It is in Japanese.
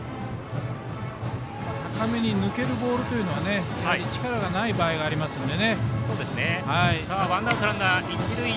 高めに抜けるボールというのは力がない場合がありますので。